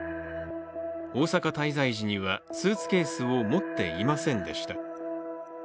大阪滞在時には、スーツケースを持っていませんでした。